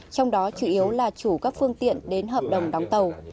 trong đó chủ yếu là chủ các phương tiện đến hợp đồng đóng tàu